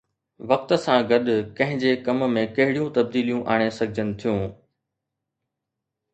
وقت سان گڏ ڪنهن جي ڪم ۾ ڪهڙيون تبديليون آڻي سگهجن ٿيون